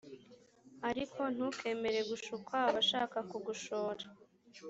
ariko ntukemere gushukwa abashaka kugushora